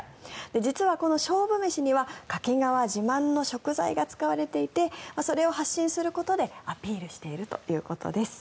実はこの勝負飯には掛川自慢の食材が使われていてそれを発信することでアピールしているということです。